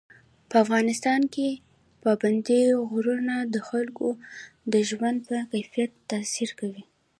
په افغانستان کې پابندی غرونه د خلکو د ژوند په کیفیت تاثیر کوي.